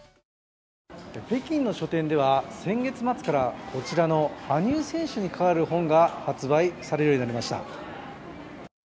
北京の書店では先月末からこちらの羽生選手にかかわる本が発売されるようになりました。